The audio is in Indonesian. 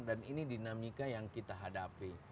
dan ini dinamika yang kita hadapi